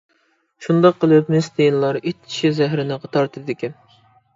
شۇنداق قىلىپ، مىس تىيىنلار ئىت چىشى زەھىرىنى تارتىدىكەن.